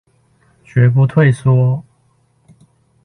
絕不退縮